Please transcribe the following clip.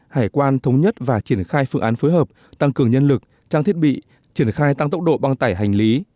hải quan thống nhất và triển khai phương án phối hợp tăng cường nhân lực trang thiết bị triển khai tăng tốc độ băng tải hành lý